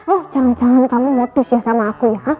oh jangan jangan kamu motis ya sama aku ya